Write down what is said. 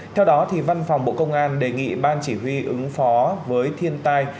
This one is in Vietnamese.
theo đó văn phòng bộ công an đề nghị ban chỉ huy ứng phó với thiên tai